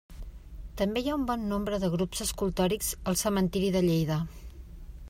També hi ha un bon nombre de grups escultòrics al cementiri de Lleida.